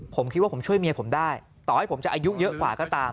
ผมคิดว่าผมช่วยเมียผมได้ต่อให้ผมจะอายุเยอะกว่าก็ตาม